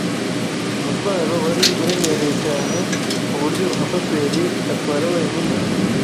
Umutwaro wari uremereye cyane kuburyo umushoferi atwara wenyine.